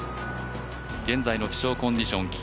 現在の気象コンディション